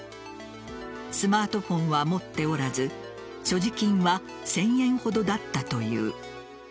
スマートフォンは持っておらず所持金は１０００円ほどだったという。